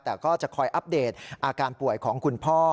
แต่ก็จะคอยอัปเดตอาการป่วยของคุณพ่อ